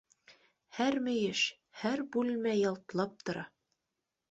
Һәр мөйөш, һәр бүлмә ялтлап тора.